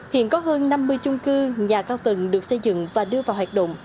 hiện có hơn năm mươi chung cư nhà cao tầng được xây dựng và đưa vào hoạt động